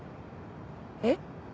えっ？